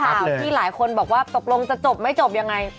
หี่หลายคนบอกว่าบ่กรงจะจบยังไง